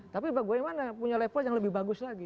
tapi bagaimana punya level yang lebih bagus lagi